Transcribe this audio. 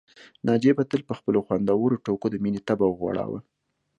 ناجيې به تل په خپلو خوندورو ټوکو د مينې طبع وغوړاوه